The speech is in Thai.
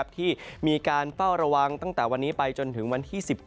ที่มีการเฝ้าระวังตั้งแต่วันนี้ไปจนถึงวันที่๑๙